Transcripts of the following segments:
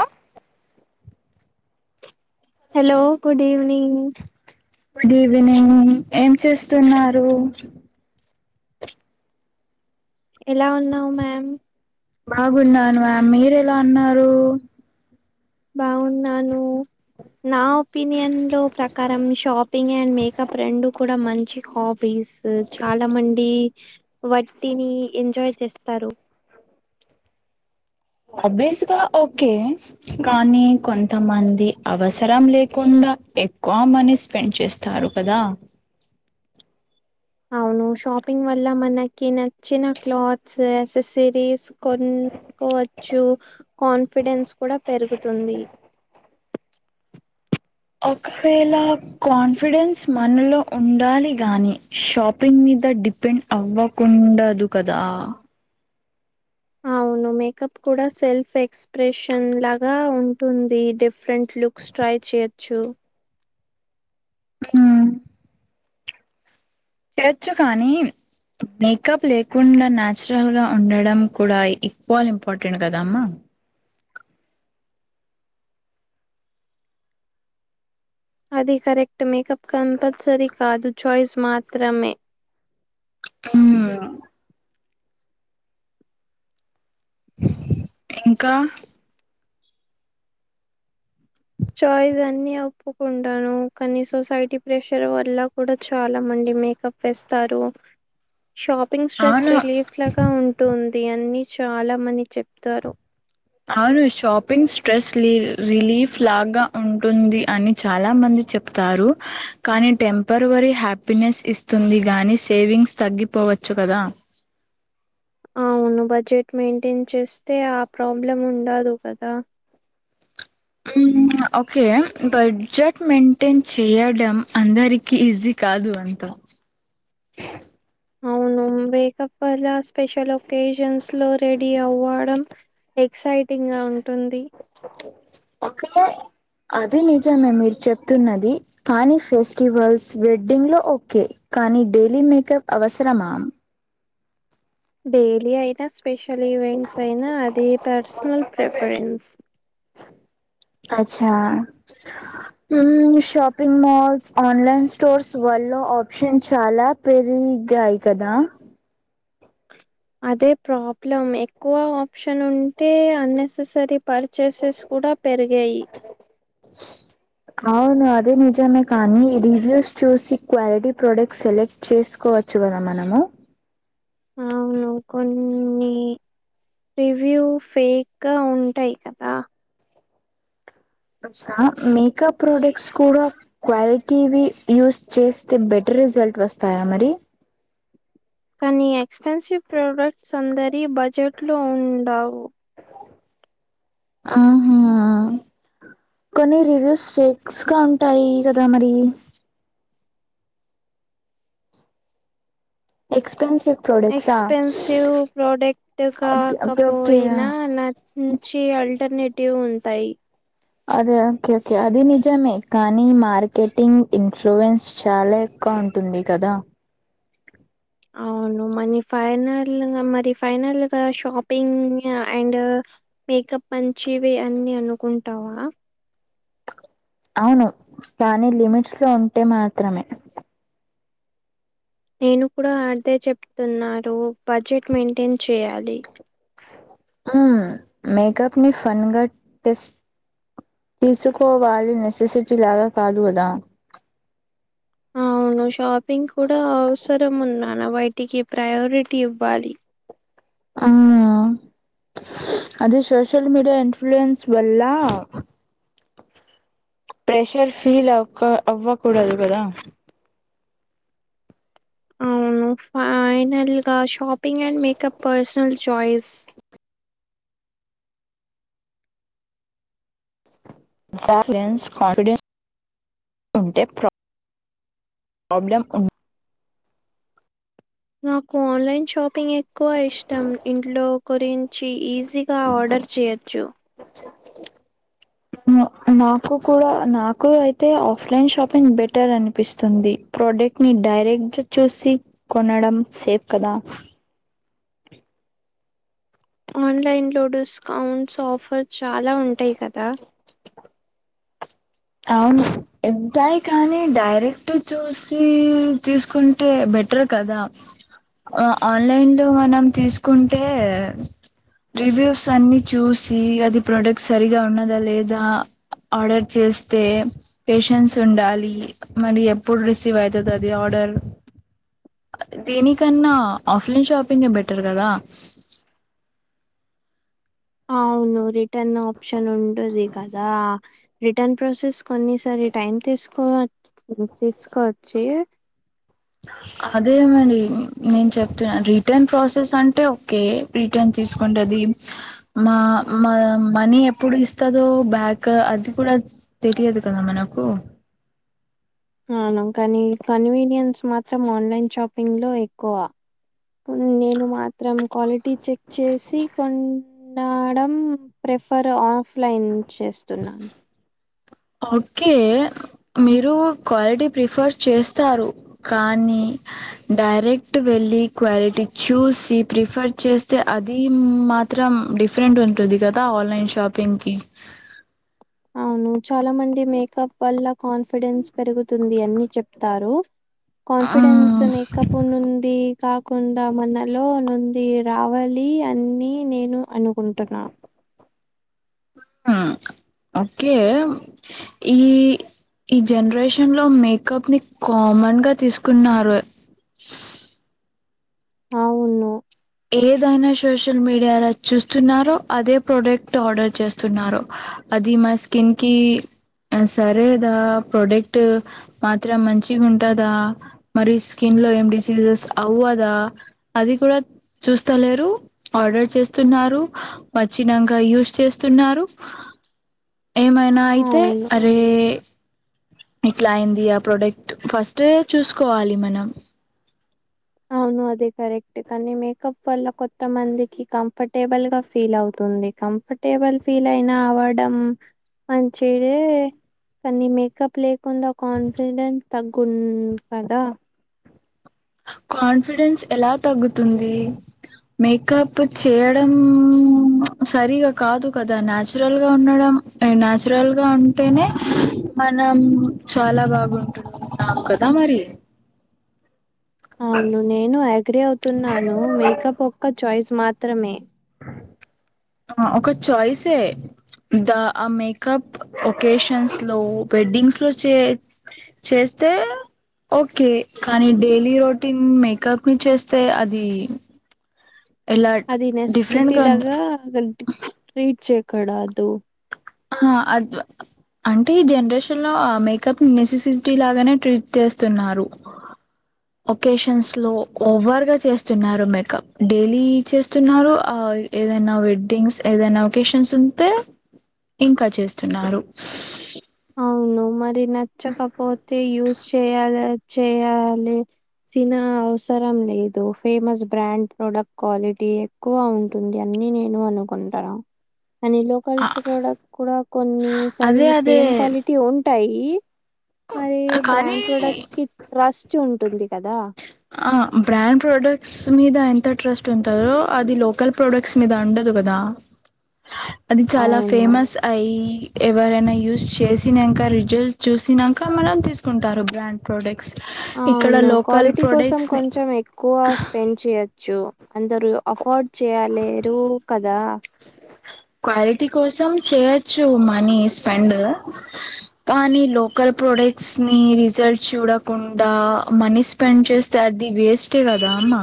అ hello good evening good evening ఏం చేస్తున్నారు ఎలా ఉన్నావు మ్యామ్ బాగున్నాను మ్యామ్ మీర్ ఎలా ఉన న్నారు బాఊన్నాను నా ఒపీనియన్ లో తక్ కరం షాపింగ్ అండ్ మేకప్ రెండు కూడా మంచి హాబీస్ చాలా మంది వాట్టిని ఎంజాయ్ చేస్తారు ఆబ్వియస్ గా ఓకే కానీ కొంతమంది అవసరం లేకుండా ఎక్కువ మనీ స్పెండ్ చేస్తారు కదా అవును షాపింగ్ వల్ల మనకి నచ్చిన క్లాత్స్, ఎసెసరీస్ కొనుక్కోవచ్చు కాన్ఫిడెన్స్ కూడా పెరుగుతుంది. ఒకవేళ కాన్ఫిడెన్స్ మనలో ఉండాలి గాని షాపింగ్ మీద డిపెండ్ అవ్వకుండదు కదా అవు ఉన్న మేకప్ కూడా సెల్ఫ్ ఎక్స్ప్రెషన్ లాగా ఉంటుంది. డిఫరెంట్ లుక్స్ టై ఇచ్చేయచ్చు ఉహు ఎచ్చు కానీ మేకప్ లేకుండా నాచురల్ గా ఉండడం కూడా ఈక్వల్ ఇంపార్టెంట్ కదామ్మా అది కరెక్ట్ మేకప్ కంపల్సరీ కాదు ఛాయిస్ మాత్రమే మ్ ఇంకా చాయిస్ అన్ని ఒప్పుకుంటాను. కానీ సొసైటీ ప్రెషర్ వల్ల కూడా చాలా మంది ఇ మేకప్ ఎస్తారు షాపింగ్ స్ట్రెస్ అవును రిలీఫ్ లాగా ఉంటుంది అన్నీ చాలా మని చెప్తారు. అవును షాపింగ్ స్ట్రెస్ లి రిలీఫ్ లాగా ఉంటుంది అని చాలా మంది చెప్తారు కానీ టెంపరవరీ హ్యాపీనెస్ ఇస్తుంది గాని సేవింగ్స్ తగ్గిపో పోవచ్చు కదా అవును బడ్జెట్ మెయింటైన్ చేస్తే ఆ ప్రాబ్లం ఉండదు కదా మ్మ్ ఓకే బడ్జెట్ మెయింటైన్ చేయడం అందరికి ఈజీ కాదు అంత అవును మేకప్ అలా స్పెషల్ ఒకేజన్స్ లో రెడీ అవ్వడం ఎక్సైటింగ్ గా ఉంటుంది. ఓకే అది నిజమే మీరు చెప్తున్నది. కానీ ఫెస్టివల్స్ వెడ్డింగ్ లో ఓకే కానీ అని డెలీ మేకప్ అవసరమా? డైలీ అయిత స్పెషల్ ఈవెంట్స్ అయినా అది పర్సనల్ ప్రిఫరెన్స్ అచ్చా మ్ షాపింగ్ మాల్స్ ఆన్లైన్ స్టోర్స్ వల్ల ఆప్షన్ చాలా పెరి ఇగ్గ అయితదా అదే ప్రాబ్లం ఎక్కువ ఆప్షన్ ఉంటే అన్నెససరీ పర్చేసెస్ కూడా పెరిగాయి అవును అదే నిజమే కానీ రివ్యూస్ చూసి క్వాలిటీ ప్రొడక్ట్స్ సెలెక్ట్ చేసుకు వచ్చు కదా మనము అవును కొన్ని రివ్యూ ఫేక్ గా ఉంటాయి కదా ఆ మేకప్ ప్రోడక్ట్స్ కూడా క్వాలిటీవి యూస్ చేస్తే బెటర్ రిజల్ట్ వస్తాయా మరి కానీ ఎక్స్పెన్సివ్ ప్రొడక్ట్స్ అందరి బడ్జెట్ లో ఉండవు ఆహా కొన్ని రివ్యూస్ ఫేక్స్ గా ఉంటాయి గదా మరి ఎక్స్పెన్సివ్ ప్రోడక్ట్సా expensive product okay okay okay కాకపోయినా నంచి అల్ ఆల్టర్నేటివ్ ఉంటాయి అద ఓకే ఓకే అది నిజమే కానీ మార్కెటింగ్ ఇన్ఫ్లూయన్స్ చాలా క ఉంటుంది కదా అవును మనీ ఫైనల్ గ మరి ఫైనల్ గా షాపింగ్ అండ్ మేకప్ మంచివె అన్ని అనుకుంటావా అవును కానీ లిమిట్స్ లో ఉంటే మాత్రమే నేను కూడా అదే చెప్తున్నారు బడ్జెట్ మెయింటైన్ చేయాలి హ మెకప్ని ఫన్గ తిస్ తీసుకోవాలి నెసెసిటీ లాగా కదుగదా అ అవును షాపింగ్ కూడా అవసరం ఉన్నాను బయటికి ప్రయారిటీ ఇవ్వాలి అవునా అదే సోషల్ మీడియా ఇన్ఫ్లుూయెన్స్ వల్ల ప్రెషర్ ఫీల్ అవక అవ్వ కుడదు గదా అవును ఫైనల్ గా shopping and makeup personal choice balance confidence ఉంటే ప్ర ప్రాబ్లెమ్ ఉం నాకు ఆన్లైన్ షాప్ పింగ్ ఎక్కువ ఇష్టం ఇంట్లో గురించి ఈజీగా ఆర్డర్ చేయచ్చు న-నాకు కూడా నాకు అయితే ఆఫ్లైన్ షాపింగ్ బెటర్ అనిపిస్తుంది ప్రోడక్ట్ ని డైరెక్ట్ గ చూసి కొనడం సేఫ్ కదా ఆన్లైన్ లో డిస్కౌంట్స్ ఆఫర్స్ చాలా ఉంటాయి కదా అవును ఉంటాయి కానీ డైరెక్ట్ చూసి తీసుకుంటే బె బెటర్ కదా అ ఆన్లైన్ లో మనం తీసుకుంటే రివ్యూస్ అన్ని చూస్ దీ అది ప్రోడక్ట్ సరిగా ఉన్నదా లేదా ఆర్డర్ చేస్ అయితే పేషన్స్ ఉండాలి మరి ఎప్పుడు రిసీవ్ అయితదది ఆర్డర్ దేనికన్నా ఆఫ్లైన్ షాపింగే బెటర్ గదా ఆవ్ అవును రిటర్న్ ఆప్షన్ ఉండది గదా రిటర్న్ ప్రాసెస్ కొన్నిసరి టైంకి తీసుకో వచ్చి తీసుకోచ్చి అదేమరి నేను చెప్తున్నా రిటర్న్ ప్రాసెస్ అంటే ఓకే రిటర్న్ తీసుకోంటే అది ఇ మ-మ-మనీ ఎప్పుడు ఇస్తాదో బ్యాక్ అది గుడా తే తియదు కదా మనకు [inaudible] అవును కాని కన్వీనియన్స్ మాత్రం ఆన్లైన్ షాపింగ్ లో ఎక్కువ నేను మాత్రం క్వాలిటీ చెక్ చేసి కొన్నాడం రే ప్రిఫర్ ఆఫ్లైన్ చేస్తున్నాను ఓకే మీరు క్వాలిటీ ప్రిఫర్ చేస్తారు కానీ డైరెక్ట్ వె లి క్వాలిటీ చూసి ప్రిఫర్ చేస్తే అది మాత్రం డిఫరెంట్ ఉంటది. తాత ఆన్లైన్ షాపింగ్ కి [inaudible] అవును చాలా మంది మేకప్ వల్ల కాన్ఫిడెన్స్ పెరుగుతుంది అని చెప్తారు. కాన్ఫిడెన్స్ మేకప్ ఉన్ ఉంది. కాకుండా మనలో నుంది రావాలి అన్ని నేను అనుకుంటున్నా [inaudible] మ్మ్ [inaudible] ఓకే ఈ ఈ జనరేషన్ లో మేకప్ ని కామన్ గా తీసుకున్నారు. [inaudible] అవును ఏదైనా సోషల్ మీడియాలో చూస్తున్నారో అదే ప్రోడక్ట్ ఆర్డర్ చేస్తున్నారో అది మా స్కిన్కి అ సరేదా ప్రొడక్ట్ మాత్రం మంచిగా ఉంటదా మరి స్కిన్ లో ఏం డిసీజెస్ అవ్వదా అది కూడా చూస్తలేరు ఆర్డర్ చేస్తున్నారు వచ్చినంగా యూస్ చేస్తున్నారు. [inaudible] ఏమైనా అయితే అవును అరే ఇట్లా అయింది ఆ ప్రొడక్ట్ ఫస్ట్ చూసుకోవాలి మనం అవును అదే కరెక్ట్ కానీ మేకప్ వల్ల కొత్త మందికి కంఫర్టబుల్ గా ఫీల్ అవుతు ఉంది కంఫర్టేబుల్ ఫీల్ అయినా అవడం మంచిదే కానీ మేకప్ లేకుండా కాన్ఫిడెన్స్ తగ్గుంది కదా కాన్ఫిడెన్స్ ఎలా తగ్గుతుంది. మేకప్ చేయడం సరిగా కాదు కదా, నాచురల్ గా ఉండడం ఎ నాచురల్ గా ఉంటేనే మనం చాలా బాగుంటుంది న్నా కదా మరి అవును నేను అగ్రి అవుతున్నాను మేకప్ ఒక్క చాయిస్ మాత్రమే [inaudible] అ ఒక చాయిసే ద ఆ మేకప్ ఒకేషన్స్ లో వెడ్డింగ్స్ లో చే చేస్తే ఓకే కానీ డైలీ రొటీన్ మేకప్ ని చేస్తే అది ఎలా అది డిఫరెంట్ నెససిటీ గా లాగా రీచ్ చేయకూడ అదు ఆ అద్వ్ అంటే జనరేషన్ లో ఆ మేకప్ నెసెసిటీ లాగానే ట్రీట్ చేస్తున్నారు. [inaudible] ఒకేషన్స్ లో ఓవర్ గా చేస్తున్నారు మేకప్ డైలీ చేస్తున్నారు ఆ ఏదైనా వెడ్డింగ్స్ ఏదైనా ఒకేషన్స్ ఉంటే ఇంకా చేస్తున్నారు అవును మరి నచ్చకపోతే యూస్ చేయాల చేయాలి. తిన అవసరం లేదు ఫేమస్ బ్రాండ్ ప్రోడక్ట్ క్వాలిటీ ఎక్కువ ఉంటుంది అన్ నేను అనుకుంటాన అని లోకల్ ఆ ప్రోడక్ట్ కూడా కొన్నిసరి అదే అదే సేమ్ క్వాలిటీ ఉంటాయి మరి కానీ బ్రాండ్ ప్రొడక్ట్ కి రస్ ఉంటుంది కదా ఆ బ్రాండ్ ప్రోడక్ట్స్ మీద ఎంత ట్రస్ట్ ఉంటదో అది లోకల్ ప్రోడక్ట్స్ మీద ఉండదు కదా అది చాలా అవును ఫేమస్ అయి ఎవరైనా యూజ్ చేసినంక రిజల్ట్ చూసినంక మనం తీసుకుంటారు బ్రాండ్ ప్రొడక్ట్ ఇక్కడ అవును లోకల్ క్వాలిటీ కోసం ప్రోడక్ట్స్ ని కొంచెం ఎక్కువ స్పెండ్ చేయచ్చు అందరు అఫోర్డ్ చేయలేరు కదా క్వాలిటీ కోసం చేయొచ్చు మనీ స్పెండ్ కానీ లోకల్ ప్రోడక్ట్స్ ని రిజల్ట్ చూడకుండా మనీ స్పెండ్ చేస్తే ది వేస్టే కదా అమ్మా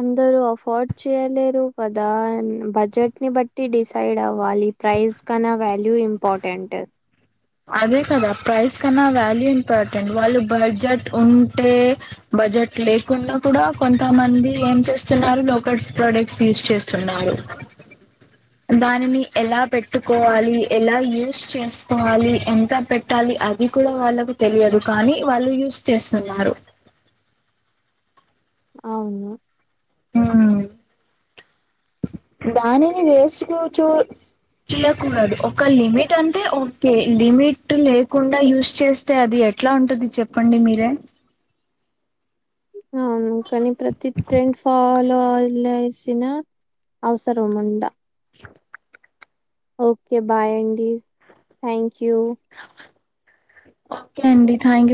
అందరు అఫోర్డ్ చేయలేరు కదా బడ్జెట్ ని బట్టి డిసైడ్ అవ్వాలి ప్రైజ్ కన్నా వాల్యూ ఇంపార్టెంట్ అదే కదా ప్రైస్ కన్నా వాల్యూ ఇంపార్టెంట్ వాళ్ళు బడ్జెట్ ఉంటే బడ్జెట్ లేకుండా కూడా కొంతమంది ఏం చేస్తున్నారు లోకల్ ప్రొడక్ట్స్ యూజ్ చేస్తున్నారు దానిని ఎలా పెట్టుకోవాలి ఎలా యూస్ చేసుకోవ కావాలి ఎంత పెట్టాలి అది కూడా వాళ్ళకు తెలియదు కానీ వాళ్ళు యూస్ చేస్తున్నారు అవును హు దానిని వేసుకోవచ్చు చూడకూడదు ఒక లిమిట్ అంటే ఓకే లిమిట్ లేకుండా యూస్ చేస్తే అది ఎట్లా ఉంటది చెప్పండి మీరే అవును కానీ ప్రతి ట్రెండ్ ఫాల్ లేసిన అవసరము ఉండ ఓకే బాయ్ అండి థ్యాంక్ యూ ఓకే అండి థ్యాంక్ యూ